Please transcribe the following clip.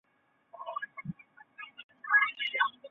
偏头痛的准确致病原理目前尚不得而知。